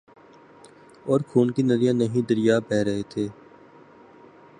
اورخون کی ندیاں نہیں دریا بہہ رہے تھے۔